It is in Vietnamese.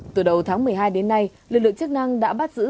từ đầu tháng một mươi hai đến nay lực lượng chức năng đã bắt giữ